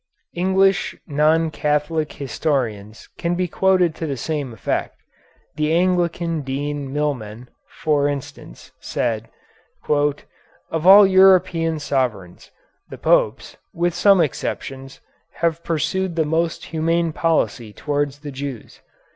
English non Catholic historians can be quoted to the same effect. The Anglican Dean Milman, for instance, said: "Of all European sovereigns, the Popes, with some exceptions, have pursued the most humane policy towards the Jews.